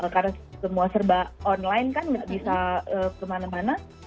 karena semua serba online kan gak bisa kemana mana